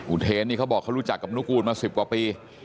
เทนนี่เขาบอกเขารู้จักกับนุกูลมา๑๐กว่าปี